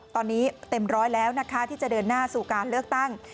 ตอนนี้เต็มร้อยแล้วนะคะที่จะเดินหน้าสู่การเลือกตั้ง